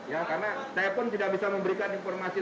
ya karena saya pun tidak bisa memberikan informasi